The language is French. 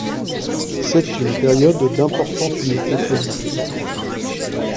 C'est une période d'importante unité politique.